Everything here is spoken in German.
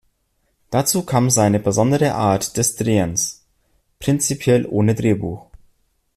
Dazu kam seine besondere Art des Drehens: prinzipiell ohne Drehbuch.